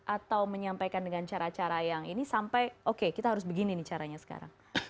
atau menyampaikan dengan cara cara yang ini sampai oke kita harus begini nih caranya sekarang